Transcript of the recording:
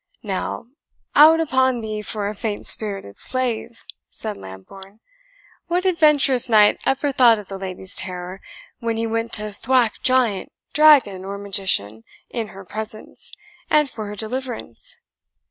"Now, out upon thee for a faint spirited slave!" said Lambourne; "what adventurous knight ever thought of the lady's terror, when he went to thwack giant, dragon, or magician, in her presence, and for her deliverance?